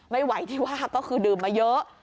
ไม่ไหวที่ว่าก็คือดื่มมาเยอะ